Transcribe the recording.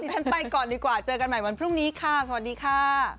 ฉันไปก่อนดีกว่าเจอกันใหม่วันพรุ่งนี้ค่ะสวัสดีค่ะ